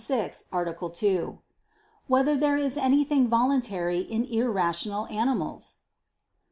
6, Art. 2] Whether There Is Anything Voluntary in Irrational Animals?